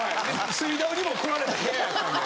『水ダウ』にも来られた部屋やったんで。